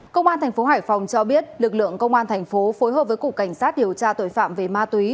công an thành phố hải phòng cho biết lực lượng công an thành phố phối hợp với cục cảnh sát điều tra tội phạm về ma túy